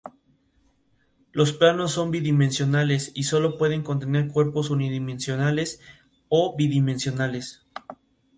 Los planos son bidimensionales, y solo pueden contener cuerpos unidimensionales o bidimensionales.